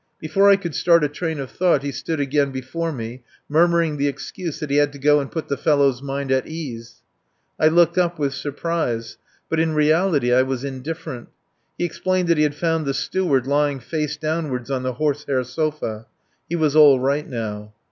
Before I could start a train of thought he stood again before me, murmuring the excuse that he had to go and put the fellow's mind at ease. I looked up with surprise. But in reality I was indifferent. He explained that he had found the Steward lying face downward on the horsehair sofa. He was all right now.